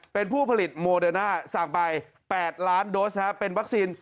เป็นผู้ผลิตโมเดอร์น่าสั่งไป๘ล้านโดสเป็นวัคซีน